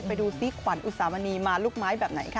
ไปดูซิขวัญอุสามณีมาลูกไม้แบบไหนค่ะ